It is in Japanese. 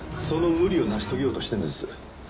その無理を成し遂げようとしてるんです。